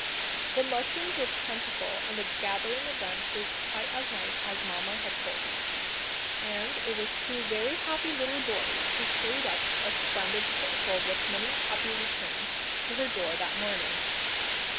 The mushrooms were plentiful, and the gathering of them proved quite as nice as Mamma had told them. And it was two very happy little boys who carried up a splendid plateful with "many happy returns" to her door that morning.